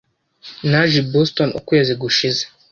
Naje i Boston ukwezi gushize.